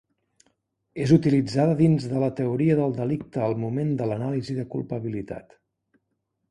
És utilitzada dins de la teoria del delicte al moment de l'anàlisi de culpabilitat.